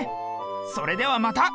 それではまた。